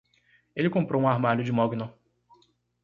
Ele comprou um armário de mogno